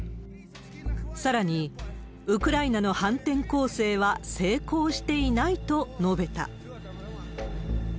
さらに、ウクライナの反転攻勢は成功していないと述べた。